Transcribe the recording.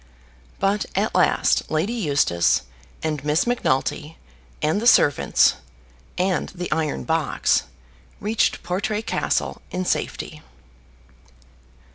But at last Lady Eustace, and Miss Macnulty, and the servants, and the iron box, reached Portray Castle in safety.